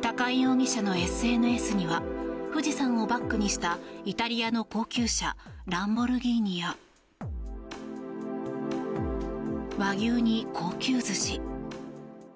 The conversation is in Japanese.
高井容疑者のＳＮＳには富士山をバックにしたイタリアの高級車ランボルギーニや和牛に高級寿司